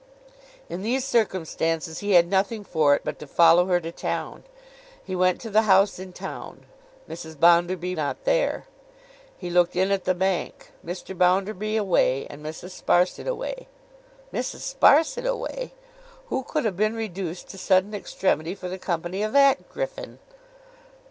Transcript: In these circumstances he had nothing for it but to follow her to town. He went to the house in town. Mrs. Bounderby not there. He looked in at the Bank. Mr. Bounderby away and Mrs. Sparsit away. Mrs. Sparsit away? Who could have been reduced to sudden extremity for the company of that griffin!